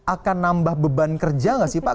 akan nambah beban kerja nggak sih pak